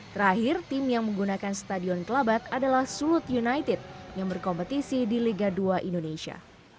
terakhir tim yang menggunakan stadion kelabat adalah sulut united yang berkompetisi di liga dua indonesia